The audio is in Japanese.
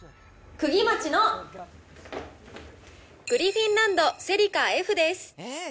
クギマチのグリフィンランドセリカＦです。